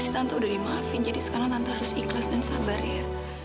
tante harus ikhlas dan sabar ya